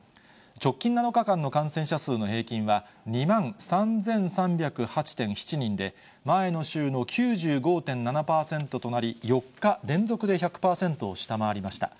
直近７日間の感染者数の平均は、２万３３０８．７人で、前の週の９５．７％となり、４日連続で１００％を下回りました。